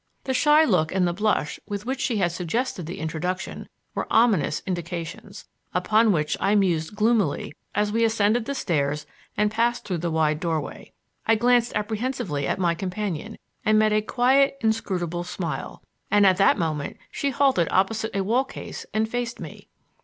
The shy look and the blush with which she had suggested the introduction were ominous indications, upon which I mused gloomily as we ascended the stairs and passed through the wide doorway. I glanced apprehensively at my companion, and met a quiet, inscrutable smile; and at that moment she halted opposite a wall case and faced me.